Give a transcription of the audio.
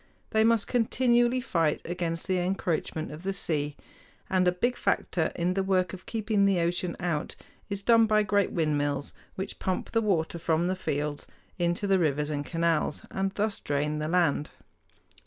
They must continually fight against the encroachment of the sea, and a big factor in the work of keeping the ocean out is done by great windmills, which pump the water from the fields into the rivers and canals, and thus drain the land.